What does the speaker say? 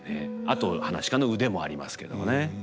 あと噺家の腕もありますけどもね。